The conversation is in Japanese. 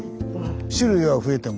種類は増えても。